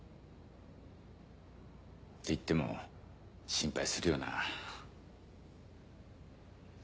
って言っても心配するよなぁ。